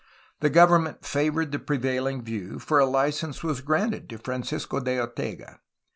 The government favored the prevaihng view, for a license was granted to Francisco de Ortega.